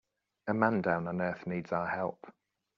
A man down on earth needs our help.